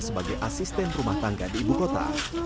sebagai asisten rumah tangga di ibu kota